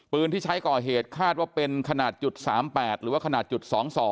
ที่ใช้ก่อเหตุคาดว่าเป็นขนาด๓๘หรือว่าขนาดจุด๒๒